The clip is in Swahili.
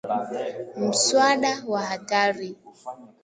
Muswada wa Hatari